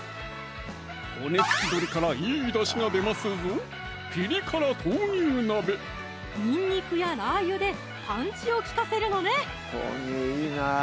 骨付き鶏からいいだしが出ますぞにんにくやラー油でパンチを利かせるのね